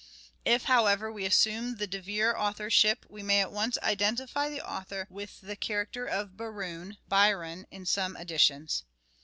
If, however, we assume the De Vere authorship we may at once identify the author with the character of Berowne (Biron, in some editions).